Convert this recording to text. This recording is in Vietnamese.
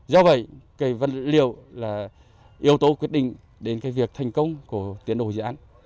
do vậy vật liệu là yếu tố quyết định đến việc thành công của tiến độ dự án